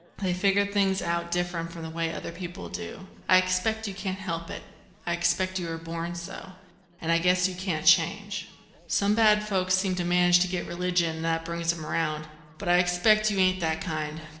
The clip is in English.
They figure things out different from the way other people do. I expect you can't help it. I expect you were born so. And I guess you can't change. Some bad folks seem to manage to get religion and that brings 'em round; but I expect you ain't that kind."